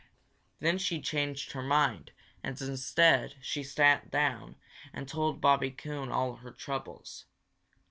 Then she changed her mind and instead she sat down and told Bobby Coon all her troubles.